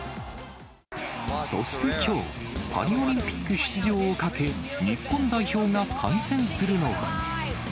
そしてきょう、パリオリンピック出場をかけ、日本代表が対戦するのは。